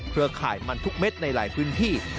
ข่ายมันทุกเม็ดในหลายพื้นที่